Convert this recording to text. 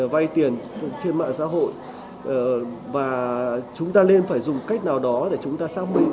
và chúng ta nên phải dùng cách nào đó để chúng ta xác minh